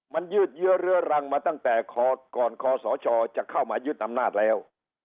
มันยืดเยื้อเรื้อรังมาตั้งแต่ก่อนคศจะเข้ามายึดอำนาจแล้ว